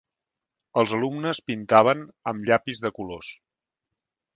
Els alumnes pintaven amb llapis de colors.